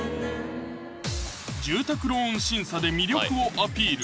住宅ローン審査で魅力をアピール！